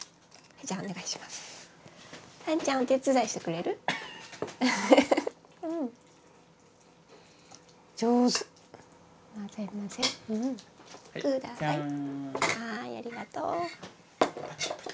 はいありがとう。